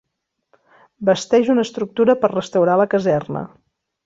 Basteix una estructura per restaurar la caserna.